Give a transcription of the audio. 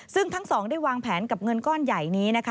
ซึ่งทั้งสองได้วางแผนกับเงินก้อนใหญ่นี้นะคะ